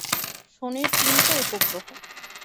শনির তিনটা উপগ্রহ।